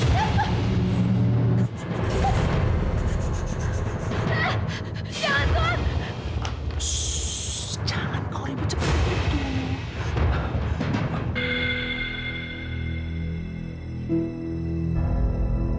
jangan lupa jangan berpikir pikir